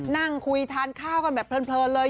นั่งคุยทานข้าวกันแบบเพลินเลย